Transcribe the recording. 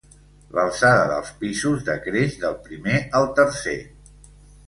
L'alçada dels pisos decreix del primer al tercer.